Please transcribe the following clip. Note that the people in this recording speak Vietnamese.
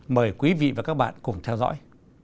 mời quý vị và các bạn cùng theo dõi